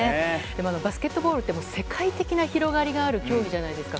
バスケットボールって世界的な広がりがある競技じゃないですか。